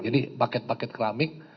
jadi paket paket keramik